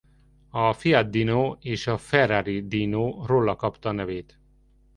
A Fiat Dino és a Ferrari Dino róla kapta a nevét.